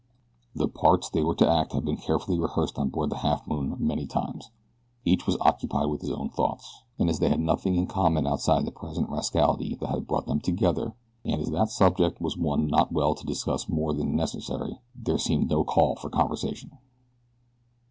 The parts they were to act had been carefully rehearsed on board the Halfmoon many times. Each was occupied with his own thoughts, and as they had nothing in common outside the present rascality that had brought them together, and as that subject was one not well to discuss more than necessary, there seemed no call for conversation.